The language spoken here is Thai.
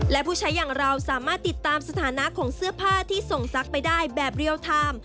และผู้ใช้อย่างเราสามารถติดตามสถานะของเสื้อผ้าที่ส่งซักไปได้แบบเรียลไทม์